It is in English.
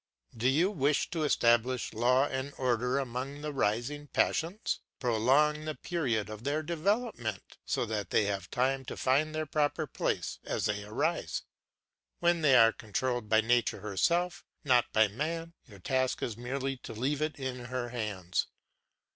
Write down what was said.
Do you wish to establish law and order among the rising passions, prolong the period of their development, so that they may have time to find their proper place as they arise. Then they are controlled by nature herself, not by man; your task is merely to leave it in her hands.